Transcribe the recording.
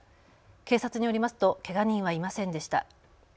警察によりますとけが人はいませんでした。